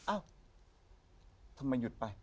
เอ้าทำไมหยุดไป